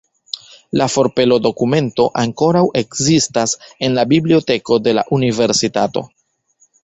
La forpelo-dokumento ankoraŭ ekzistas en la biblioteko de la universitato.